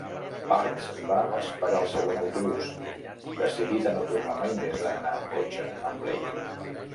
Parks va esperar el següent autobús, decidit a no tornar mai més a anar amb cotxe amb Blake.